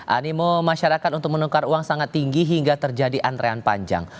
animo masyarakat untuk menukar uang sangat tinggi hingga terjadi antrean panjang